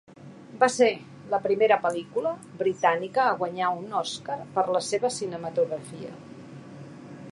Va ser la primera pel·lícula britànica a guanyar un Oscar per la seva cinematografia.